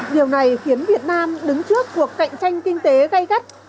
sẽ khiến việt nam đứng trước cuộc cạnh tranh kinh tế gây gắt